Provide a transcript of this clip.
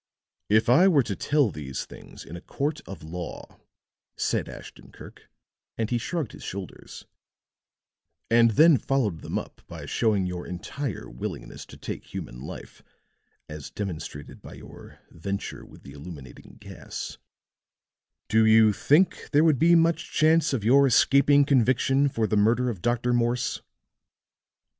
"If I were to tell these things in a court of law," said Ashton Kirk, and he shrugged his shoulders, "and then followed them up by showing your entire willingness to take human life, as demonstrated by your venture with the illuminating gas, do you think there would be much chance of your escaping conviction for the murder of Dr. Morse?"